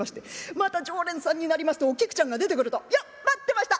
また常連さんになりますとお菊ちゃんが出てくると「よっ待ってました！